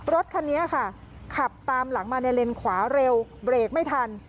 รถคันนี้ค่ะขับตามหลังมาในเลนขวาเร็วเบรกไม่ทัน